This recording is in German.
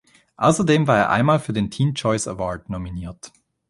Außerdem war er einmal für den Teen Choice Award nominiert.